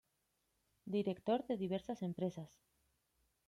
Director de diversas empresas.